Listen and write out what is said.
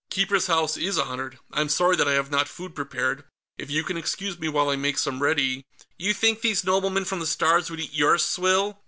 "Keeper's House is honored. I'm sorry that I have not food prepared; if you can excuse me while I make some ready...." "You think these noblemen from the Stars would eat your swill?"